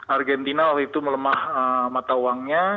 argentina waktu itu melemah mata uangnya